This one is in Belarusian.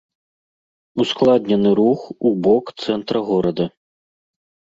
Ускладнены рух у бок цэнтра горада.